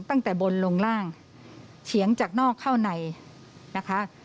ตั้งแต่บนลงล่างเฉียงจากนอกเข้าในนะคะ